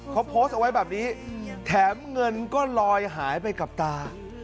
เขาโพสต์เอาไว้แบบนี้แถมเงินก็ลอยหายไปกับตา